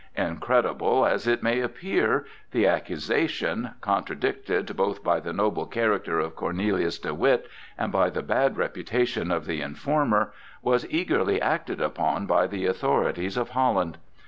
Incredible as it may appear, the accusation, contradicted both by the noble character of Cornelius de Witt and by the bad reputation of the informer, was eagerly acted upon by the authorities of Holland.